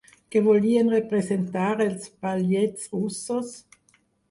Què volien representar els Ballets Russos?